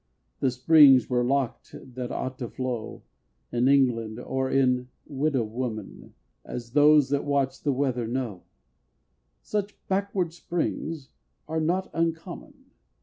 The springs were locked that ought to flow In England or in widow woman As those that watch the weather know, Such "backward Springs" are not uncommon.